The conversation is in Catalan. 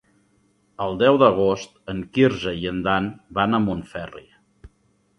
El deu d'agost en Quirze i en Dan van a Montferri.